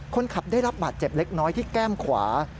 คนขับได้รับบาดเจ็บเล็กน้อยที่แก้มขวา